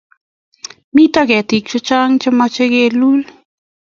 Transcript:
Mito ketik che chang' che mache kelul